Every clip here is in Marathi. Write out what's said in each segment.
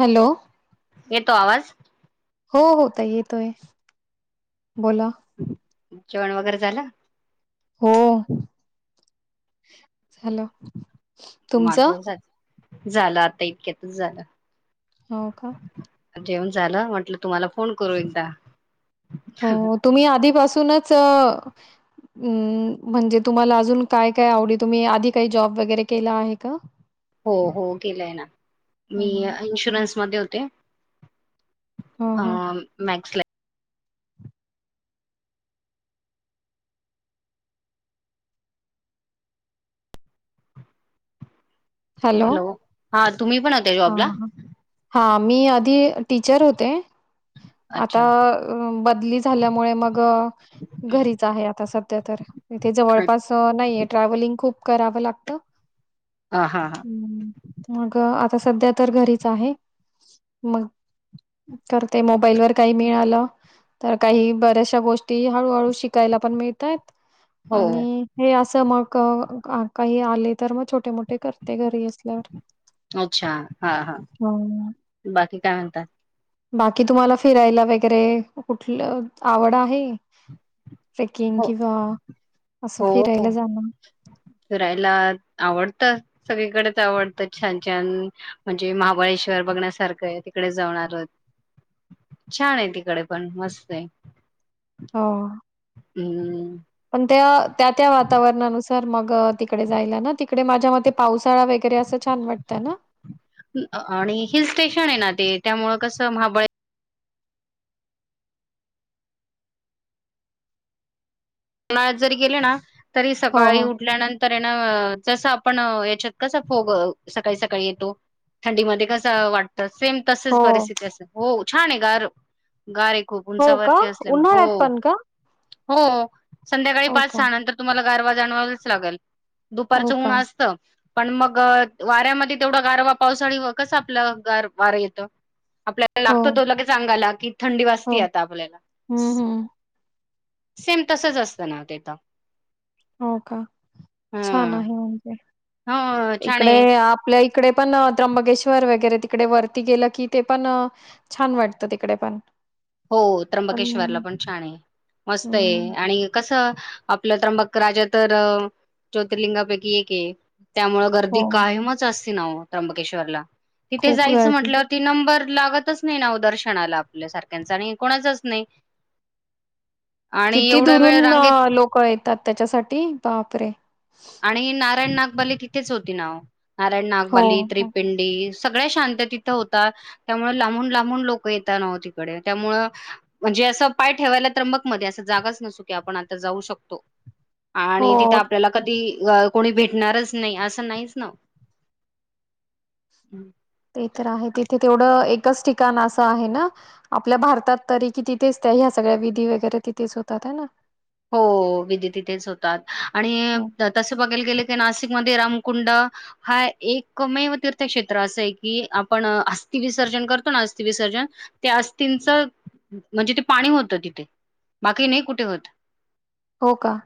हॅलो? येतो आवाज? हो, हो, ताई येतोय. बोला. जेवण वगैरे झालं? हा. हँलो? माझ झालं, आता इतक्यातच झालं. हो का? जेवन झालं, म्हटलं तुम्हाला फोन करू एकदा. हो तुम्ही आधीपासूनच- अम्.. म्हणजे तुम्हाला अजून काय, काय आवडी तुम्ही आधी काही जॉब वगैरे केला आहे का? हो, हो, केलाय ना, ह मी इन्शुरन्समध्ये होते. ह हं, मँ- हॅलो? हा तुम्ही पण होते हा, जॉबला हा. हा, मी आधी टीचर होते. आता अच्छा बदली झाल्यामुळे मग- घरीच आहे आता सध्या तर, इथे जवळपास नाहीे ट्रॅव्हलिंग खूप करावं लागत. हा, हा, हा. हम्म, मग आता सध्या तर घरीच आहे, मग- करते, मोबाईल वर काही मिळालं- तर काही बऱ्याचशा गोष्टी हळूहळू शिकायला पण मिळतात- हो आणि हे असं मग काही आले तर मग छोटे, मोठे करते. ते घरी असल्यावर. अच्छा हा हा हो बाकी काय म्हणताय? बाकी तुम्हाला फिरायला वगैरे, कुठल आवड आहे? ट्रेकिंग हो किंवा असं हो फिरायला जाणं. फिरायला आवडतं. सगळीकडेच आवडतं छान, छान म्हणजे महाबळेश्वर बघण्यासारखं आहे तिकडे जाऊन आलोत. छान आहे तिकडे पण, मस्त आहे. हा. हम्. पण त्या, त्या, त्या वातावरणानुसार- तर मग तिकडे जायला ना, तिकडे माझ्या मते पावसाळा वगैरे असं छान वाटत ना? आणि हिल स्टेशन आहे ना ते, त्यामुळे कस महाबळे- मुळत जरी गेले ना, तरी हो सकाळी हो उठल्यानंतर ये ना जस आपण याच्यात- कसा फोग सकाळी, सकाळी येतो, थंडीमध्येध्ये कसा वाटत, ‌सेम हो तसच परिस्थिती असते. हो छान आहे गांर गांर आहे खूंप हो का उंचावरती असल्यामुळें हो उन्हाळ्यात पण का हो संध्याकांळी हो पांच का सहा नंतर तुम्हांला गांरवा जाणवांलाचं लागेल हो दुपारचं का? ऊंन असतं पणं मंग वाऱ्यांमध्यें तेवढां गांरवा पावसांळी कसं आपलं गांर वारं येतं आपल्यां हो, लागतो तो आपल्या अंगाला कां चांगायला की थंडी वाजती हो. आंता आपल्यांला हं, हं. सेम तसंच असतं नां तेथे हो कां छान हं आहे म्हणजे हो छान ईकडे आहे आपल्यां ईकडे पणं त्र्यंबकेश्वर वगैरें तिकडे वरती गेलं की ते पणं छान वाटतं तिकडे पणं हो त्र्यंबकेश्वरला पणं छान आहे मस्तं आहे हं, आणि कसं आपलं त्र्यंबक राजा तरं ज्योतिर्लिंगापैकी एक आहे त्यामुळें हो. गर्दी काहींचं असं नां त्र्यंबकेश्वरला तिथे खूप जायचं गर्दी. म्हटलं ते नंबर लागतचं नाहीं नां ओ दर्शनालां आपल्यांसारखं त्यांच्या नाहीं आणि कोणाचं नाहीं किती वेळ दुरूंन रांगेत लोकं येतांत त्यांच्यासाठी बापरे आणि नारायंण नागबाली तिथेचं होती नांव नारायंण हो, नागबाली हो. त्रिपिंड सगळ्यां शांत तिथं होतातं त्यामुळें लांबूंन लांबूंन लोकं येतनां आहोंत तिकडे त्यामुळें म्हणजे असं पाय ठेवायलां त्रंबकमध्यें असं जागांच नसूं की आपणं आंता जाऊं शकतो हो, आणि तिथं आपल्यांला कधीं अं कोणी भेटणांरच नाहीं असं नाहींच नां ते तरं आहे तिथे तेवढं एकचं ठिकांण असं आहे नां आपल्या भारतांत तरी की तिथेच त्यां ह्यां सगळ्यां विधी वगैरे तिथेच होतांत आहे नां हो विधी तिथेच होतातं आणि हो, तसे बघांयला गेले की नाशिकमध्यें रामकुंड हां एकमेव तीर्थक्षेत्र असं आहे की आपणं अस्थि विसर्जन करतो नां अस्थि विसर्जन त्यां अस्थींच म्हणजे ते पाणी होतं तिथे बाकी नाहीं कुंठे होतं हो कां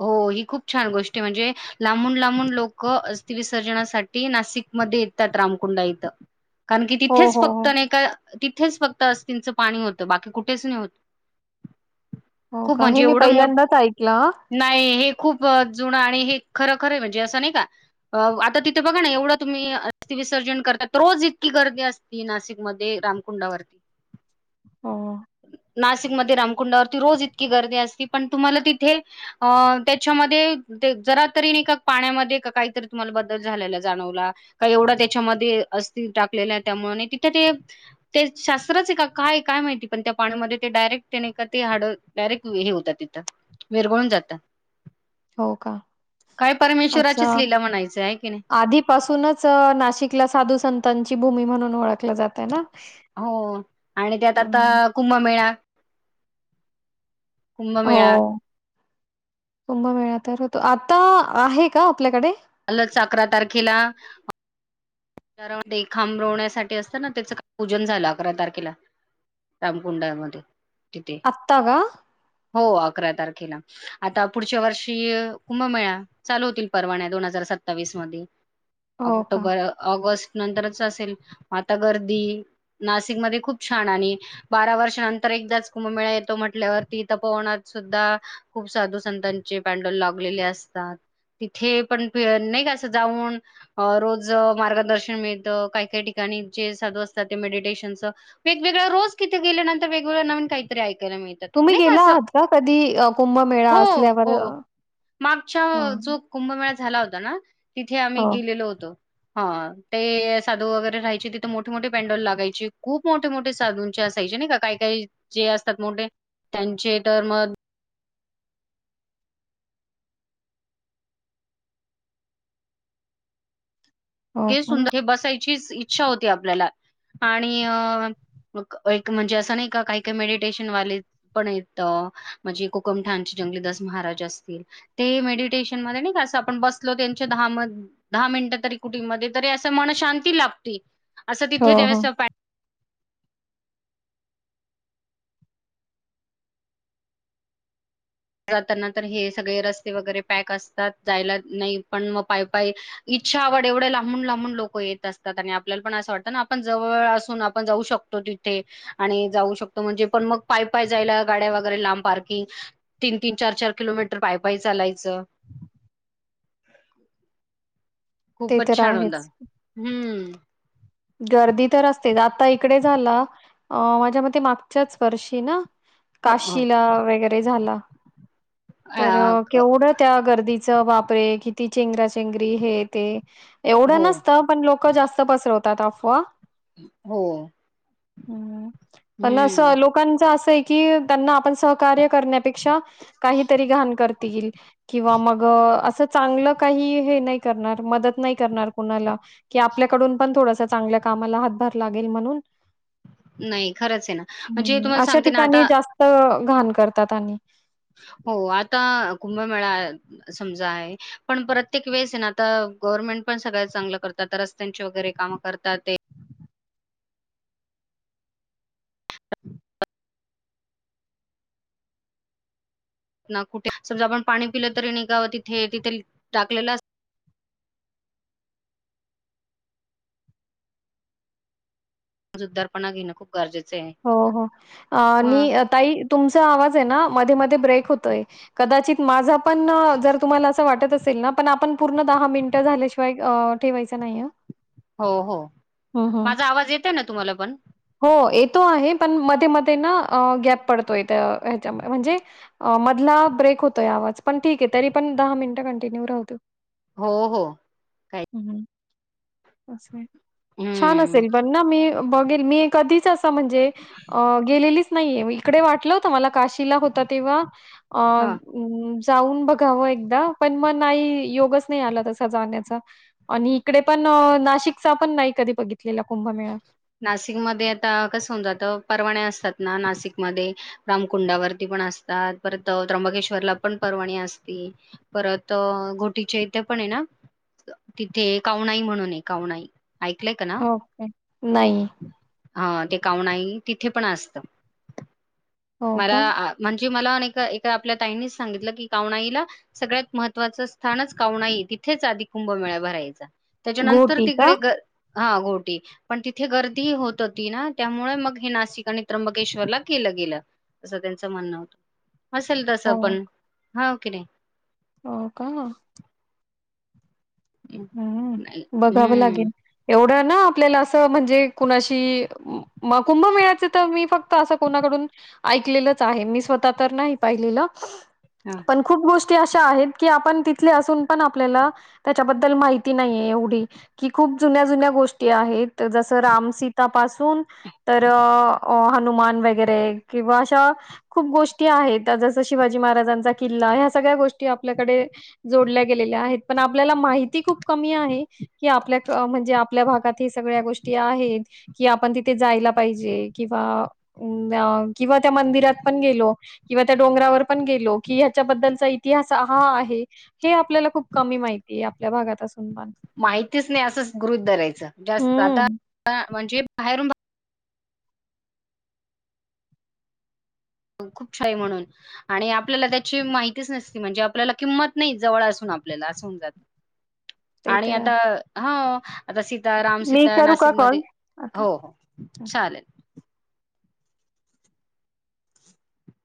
हो ही खूंप छान गोष्टं म्हणजे लांबूंन लांबूंन लोकं अस्थि विसर्जनांसाठी नाशिकमध्यें येतातं रामकुंडा इथं कारणं की हो, तिथेचं हो, हो. फक्तं नाहीं कां तिथेच फक्तं अस्थिंचं पाणी होतं बाकी कुंठेच नाहीं होतं हो कां हे मी पहिल्यांदाच ऐकलं नाहीं हे खूंप जुनं आणि हे खरं खरं म्हणजे असं नाहीं कां आंता तिथे बघां नां एवढं तुम्हीं अस्थि विसर्जन करतांत रोज इतकी गर्दी असते ती नाशिकमध्यें रामकुंडावरती हो, नाशिकमध्यें रामकुंडावरती रोज इतकी गर्दी असती पणं तुम्हांला तिथे अं त्यांच्यामध्ये ते जरां तरीने कां प्राण्यांमध्ये कांहीतरी तुम्हांला बंदल झालेला जाणंवला कांहीं एवढां त्यांच्यामध्ये अस्थ टाकलेला आहे त्यामुळें आणि तिथे ते ते शास्त्रांच आहे कां कायं कायं माहिती पणं त्यां पाण्यांमध्ये ते डायरेक्ट त्यांने कां ते हाडं डायरेक्ट हे होतं हसत्या तिथं विरबळूंन जातांत हो का? कायं परमेश्वराचीच ललीला म्हणायचं आहे की नाहीं पासूंनच नाशिकला सांधू संतांची भूमी म्हणूंन ओळखलं जातं आहे नां हो आणि त्यांत आंता कुंभमेळां हो कुंभमेळा कुंभमेळां तरं होतो आंता आहे कां आपल्यांकडे आलंच अकरां तारखेलां खांब रवण्यांसाठी असतं नां त्याचं पूजन झालं अकरां तारखेला रामकुंडामध्ये तिथे. आत्ता का? हो, अकरा तारखेला. आता पुढच्या वर्षी कुंभमेळा चालू होतील परवान्या दोन हजार सत्तावीस मध्ये हो का? ऑक्टोबर ऑगस्ट नंतरच असेल. आता गर्दी नाशिकमध्ये खूप छान आणि बारा वर्षानंतर एकदाच कुंभमेळा येतो. म्हटल्यावरती तपोवनात सुद्धा खूप साधू संतांचे बॅण्डल लागलेले असतात. तिथे पण नाही का असं जाऊन रोज मार्गदर्शन मिळतं. काही काही ठिकाणी जे साधू असतात ते मेडिटेशनचं वेगवेगळ रोज तिथ गेल्यानंतर वेगवेगळं नवीन काहीतरी ऐकायला मिळत. तुम्ही नाही का गेला असं. आहात कधी अ, कुंभमेळा हो असल्यावर? हो अ, मागच्या हां. जो कुंभमेळा झाला होता ना. तिथे आम्ही हो. गेलेलो होतो. ह. ते साधू वगैरे राहायचे तिथे मोठे मोठे बॅण्डल लागायचे. खूप मोठे मोठे साधूंचे असायचे नाही का काही काही जे असतात मोठे त्यांचे तर मग हो किती का? सुंदर हे बसायचीच इच्छा होती आपल्याला आणि अ मग एक म्हणजे असं नाही का काही काही मेडिटेशन वाले, पण आहेत म्हणजे कोकमठाणचे जंगलीदास महाराज असतील, ते मेडिटेशन मध्ये नाही कसं आपण बसलो त्यांच्या दहा म दहा मिनिटं तरी कुकिंग मध्ये तरी अस मन शांती लाभते. असं हो, तिथे हो. ज्यावेळेस पॅट जाताना तर हे सगळे रस्ते वगैरे पॅक असतात. जायला नाही पण मग पाय पाय इच्छा आवड एवढे लांबून लांबून लोक येत असतात. आणि आपल्याला पण असं वाटतं ना. आपण जवळ असून आपण जाऊ शक तो. तिथे आणि जाऊ शकतो. म्हणजे पण मग पाय पाय जायला गाड्या वगैरे, लांब पार्किंग. तीन- तीन, चार -चार किलोमीटर पाय पाय चालायचं. ते खूपच तर छान हो. आहेच. हम्म, गर्दी तर असते. आता इकडे झाल. अ माझ्या मते मागच्याच वर्षी ना. हो हो काशीला वगैरे झाला. तर अ क- केवढं त्या गर्दीच बापरे किती चेंगराचेंगरी हे ते एवढं हो नसतं. पण लोक जास्त पसरवतात अफवा. हो पण हम्म असं लोक कांच असं आहे की, त्यांना आपण सहकार्य करण्यापेक्षा काहीतरी घाण करतील. किंवा मग असं चांगलं काही हे नाही करणार. मदत नाही करणार कुणाला, कि आपल्याकडून पण थोडासा चांगल्या कामाला हातभार लागेल. म्हणून, नाही. खरंच आहे ना. म्हणजे तुम्हाला सांगते ना आता त घाण करतात आणि हो. आता कुंभमेळा समजा आहे. पण प्रत्येक वेळेस आहे ना. तर गोव्हर्नमेंट पण सगळ्या चांगलं करतात. रस्त्यांची वगैरे कामं करतात ते, ना कुठे, समजा आपण पाणी पिलं तरी निघाव तिथे तिथे टाकलेलं अस जुद्दारपणा घेणं खूप गरजेचं आहे. हो हो हं. आणि, अ ताई, तुमचा आवाज आहे ना. मध्ये मध्ये ब्रेक होतय. कदाचित माझा पण जर तुम्हाला, वाटत असेल ना. पण आपण पूर्ण दहा मिनिट झाल्याशिवाय ठेवायच नाही हा. हो हो. माझा आवाज येतोय ना तुम्हाला पण. हो येतो आहे. पण मध्ये मध्ये ना गॅप पडतोय. त हेच्या म्हणजे मधला ब्रेक होतोय आवाज पण ठीक आहे. तरी पण दहा मिनिटं कंटिन्यू राहुदेत. हो, हो काही छान हं. असेल पण ना मी बघेल मी कधीच असं म्हणजे अ गेलेलीच नाहीये इकडे वाटलं होत मला काशीला होता तेव्हा अ हां. हम् जाऊन बघावं एकदा पण मन आई योगच नाही आला तसा जाण्याचा आणि इकडे पण नाशिकचा पण नाही कधी बघितलेला कुंभमेळा नाशिकमध्ये आता कसं होण जात परवाण्या असतात ना नाशिकमध्ये रामकुंडावरती पण असतात परत त्र्यंबकेश्वरला पण परर्वाणी असती परत घोटीचे इथे पण आहे ना तिथे कावनाई म्हणून कावनाई ऐकलंय का ना नाही हा ते कावणाई तिथे पण असतं हो मला का? म्हणजे मला एका आपल्या ताईनीच सांगितलं की कावणाईला सगळ्यात महत्त्वाचं स्थानच कावणाई तिथेच आधी कुंभमेळा भरायचा त्याच्यानंतर घोटी का? तिकडे ग हा घोटी पण तिथे गर्दी होत होती ना त्यामुळे मग हे नाशिक आणि त्र्यंबकेश्वरला केलं गेलं असं त्यांचं म्हणणं असेल तसं हो, पण हाव कि नाही हो का नाही हम्म बघावं हम्म लागेल एवढं ना आपल्याला असं म्हणजे कुणाशी म कुंभमेळाच तर मी फक्त असं कोणाकडून ऐकलेलंच आहे मी स्वतः तर नाही पाहिलेलं हा पण खूप गोष्टी अशा आहेत की आपण तिथले असून पण आपल्याला त्याच्याबद् दल माहिती नाहीये एवढी की खूप जुन्या, जुन्या गोष्टी आहेत जसं रामसीतापसून तर अ हनुमान वगैरे त्रिवाशा खूप गोष्टी आहेत जसं शिवाजी महाराजांचा किल्ला ह्या सगळ्या गोष्टी आपल्याकडे जोडल्या गेलेल्या आहेत पण आपल्याला माहिती खूप कमी आहे कि आपल्या म्हणजे आपल्या भागात ह सगळ्या गोष्टी आहेत कि आपण तिथे जायला पाहिजे किंवा आ किंवा त्या मंदिरात पण गेलो किंवा त्या डोंगरावर पण गेलो कि ह्याच्याबद्दलचा इतिहास हा आहे हे आपल्याला खूप कमी माहितीय आपल्या भागात असून पण माहितीच नाही असं गृहीत धरायचं जास्त आता हम्म. म्हणजे बाहेरून खूप छाय म्हणून आणि आपल्याला त्याची माहितीच नसती म्हणजे आपल्याला किंमत नाही जवळ असून आपल्याला असून होत [unintelligible] ते आणि तर आता आहे. ह आता सीता मी रामसीता करू का कॉल नाशिकमध्ये आता? हो चालेल